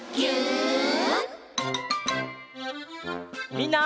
みんな。